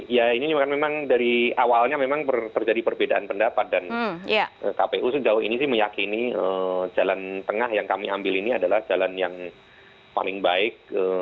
ya ini memang dari awalnya memang terjadi perbedaan pendapat dan kpu sejauh ini sih meyakini jalan tengah yang kami ambil ini adalah jalan yang paling baik